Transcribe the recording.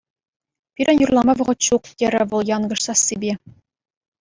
Пирӗн юрлама вӑхӑт ҫук, — терӗ вӑл янкӑш сассипе.